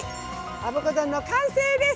「アボカ丼」の完成です。